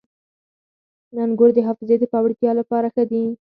• انګور د حافظې د پیاوړتیا لپاره ښه دي.